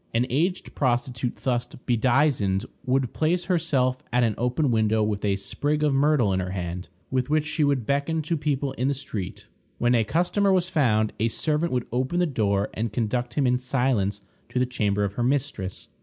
An aged prostitute thus bedizened would place herself at an open window with a sprig of myrtle in her hand, with which she would beckon to people in the street. When a customer was found, a servant would open the door and conduct him in silence to the chamber of her mistress.